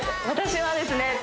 私はですね